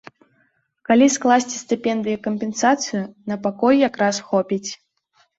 Калі скласці стыпендыю і кампенсацыю, на пакой як раз хопіць.